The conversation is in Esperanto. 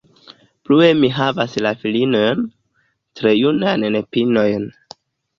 Plue mi havas ja filinojn, tre junajn nepinojn.